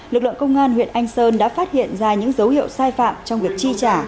lực lượng công an huyện anh sơn đã phát hiện ra những dấu hiệu sai phạm trong việc chi trả